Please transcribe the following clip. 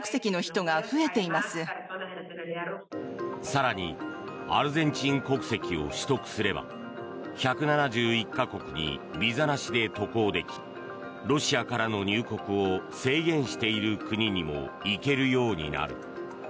更にアルゼンチン国籍を取得すれば１７１か国にビザなしで渡航できロシアからの入国を制限している国にも行けるようになる。